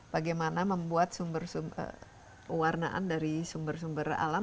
bagaimana membuat warnaan dari sumber sumber alam